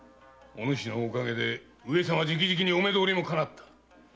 おぬしのおかげで上様直々にお目通りもかなった。